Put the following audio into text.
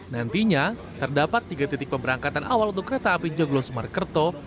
nantinya terdapat tiga titik pemberangkatan awal untuk kereta api joglo semarkerto